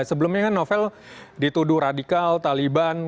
sebelumnya kan novel dituduh radikal taliban